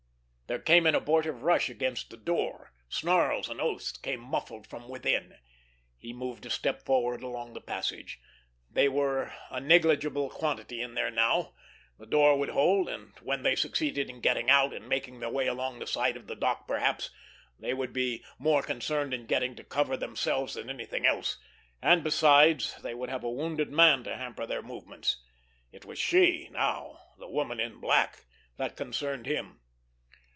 There came an abortive rush against the door; snarls and oaths came muffled from within. He moved a step forward along the passage. They were a negligible quantity in there now. The door would hold, and when they succeeded in getting out and making their way along the side of the dock perhaps, they would be more concerned in getting to cover themselves than anything else; and besides they would have a wounded man to hamper their movements. It was she now, the Woman in Black, that concerned him.